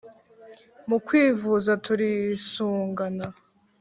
mu kwivuza turisungana